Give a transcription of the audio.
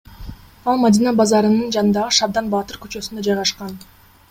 Ал Мадина базарынын жанындагы Шабдан баатыр көчөсүндө жайгашкан.